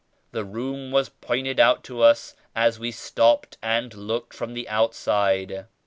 The room was pointed out to us as we stopped and looked from the outside.